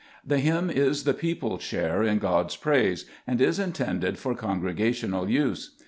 The hymn is the people's share in God's praise, and is intended for con gregational use.